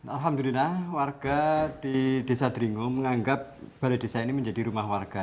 alhamdulillah warga di desa dringo menganggap balai desa ini menjadi rumah warga